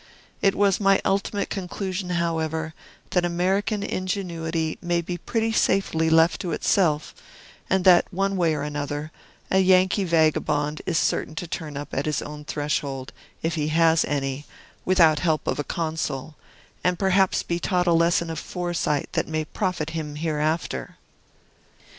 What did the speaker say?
It was my ultimate conclusion, however, that American ingenuity may be pretty safely left to itself, and that, one way or another, a Yankee vagabond is certain to turn up at his own threshold, if he has any, without help of a Consul, and perhaps be taught a lesson of foresight that may profit him hereafter.